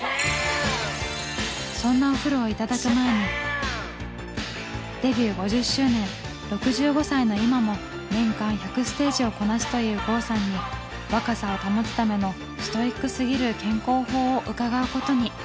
そんなお風呂をいただく前にデビュー５０周年６５歳の今も年間１００ステージをこなすという郷さんに若さを保つためのストイックすぎる健康法を伺うことに。